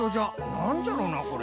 なんじゃろなこれ？